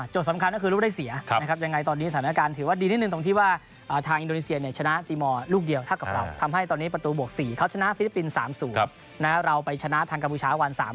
สำคัญก็คือลูกได้เสียนะครับยังไงตอนนี้สถานการณ์ถือว่าดีนิดนึงตรงที่ว่าทางอินโดนีเซียเนี่ยชนะตีมอร์ลูกเดียวเท่ากับเราทำให้ตอนนี้ประตูบวก๔เขาชนะฟิลิปปินส์๓๐เราไปชนะทางกัมพูชาวัน๓๐